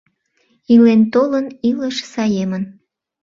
Илен-толын илыш саемын.